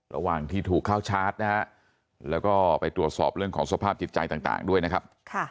ระหว่างที่ถูกเข้าชาร์จนะฮะแล้วก็ไปตรวจสอบเรื่องของสภาพจิตใจต่างด้วยนะครับ